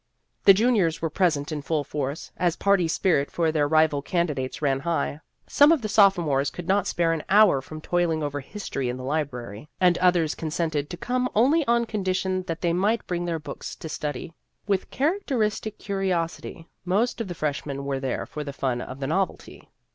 The juniors were present in full force, as party spirit for their rival candidates ran high. Some of the sophomores could not spare an hour from toiling over history in the library, and others consented to come only on condi The History of an Ambition 51 tion that they might bring their books to study. With characteristic curiosity, most of the freshmen were there for the fun of the novelty.